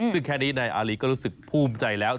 ซึ่งแค่นี้นายอารีก็รู้สึกภูมิใจแล้ว